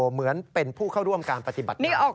เหมือนเป็นผู้เข้าร่วมการปฏิบัติงาน